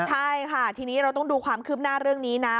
ใช่ค่ะทีนี้เราต้องดูความคืบหน้าเรื่องนี้นะ